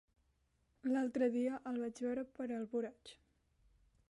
L'altre dia el vaig veure per Alboraig.